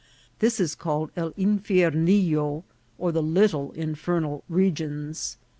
This is called El Infiernillo, or the " little infernal regions."